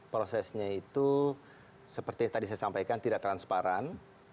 prosesnya itu seperti yang tadi saya sampaikan tidak transparan